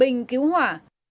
bình cứu hỏa